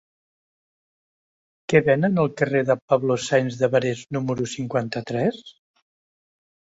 Què venen al carrer de Pablo Sáenz de Barés número cinquanta-tres?